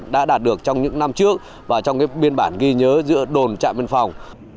đã đạt được trong những năm trước và trong biên bản ghi nhớ giữa đồn trạm biên phòng